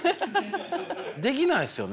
できないですよね。